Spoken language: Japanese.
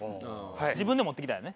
自分で持ってきたんやね？